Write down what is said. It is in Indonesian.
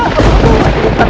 aduh ini teh